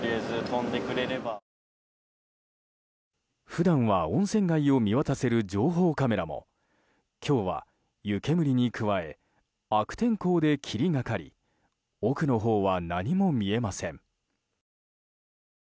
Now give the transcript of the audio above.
普段は温泉街を見渡せる情報カメラも今日は湯煙に加え悪天候で霧がかり奥のほうは何も見えません。